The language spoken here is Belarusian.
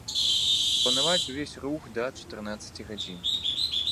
Спланаваць увесь рух да чатырнаццаці гадзін!